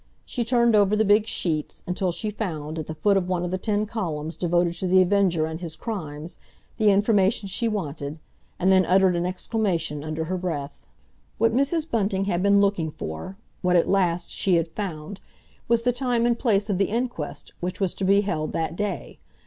She turned over the big sheets, until she found, at the foot of one of the ten columns devoted to The Avenger and his crimes, the information she wanted, and then uttered an exclamation under her breath. What Mrs. Bunting had been looking for—what at last she had found—was the time and place of the inquest which was to be held that day.